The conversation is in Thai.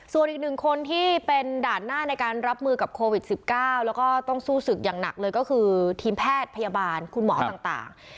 ส่วนอีกหนึ่งคนที่เป็นด่านหน้าในการรับมือกับโควิด๑๙แล้วก็ต้องสู้ศึกอย่างหนักเลยก็คือทีมแพทย์พยาบาลคุณหมอต่าง